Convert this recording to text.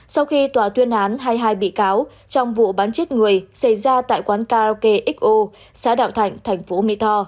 sau khi tòa tuyên án hai mươi hai bị cáo trong vụ bắn chết người xảy ra tại quán karaoke xo xã đạo thạnh thành phố mỹ tho